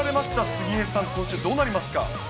杉江さん、今週、どうなりますか。